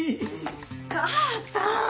母さん！